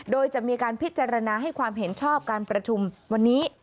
โดยจะมีการพิจารณาให้ความเห็นชอบการประชุมวันนี้